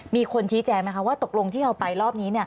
มีคนชี้แจงไหมคะว่าตกลงที่เราไปรอบนี้